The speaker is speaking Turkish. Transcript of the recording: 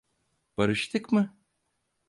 Barıştık mı?